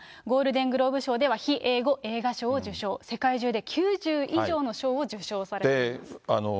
ゴールデングローブ賞では、非英語映画賞を受賞、世界中で９０以上の賞を受賞されています。